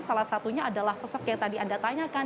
salah satunya adalah sosok yang tadi anda tanyakan